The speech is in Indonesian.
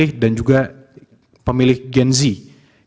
salah satunya merebut perhatian dan kepercayaan kalum milenial